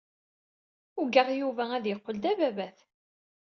Ugaɣ Yuba ad yeqqel d ababat.